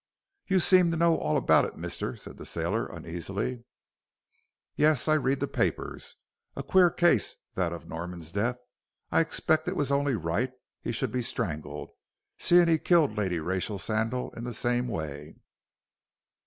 "You seem to know all about it, mister?" said the sailor, uneasily. "Yes, I read the papers. A queer case that of Norman's death. I expect it was only right he should be strangled seeing he killed Lady Rachel Sandal in the same way."